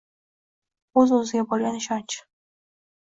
«O‘z-o‘ziga bo‘lgan ishonch»